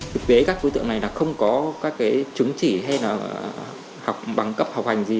được bế các đối tượng này là không có các chứng chỉ hay bằng cấp học hành gì